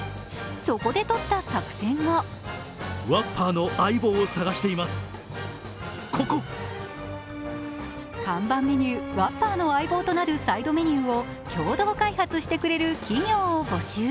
そこでとった作戦が看板メニュー・ワッパーの相棒となるサイドメニューを共同開発してくれる企業を募集。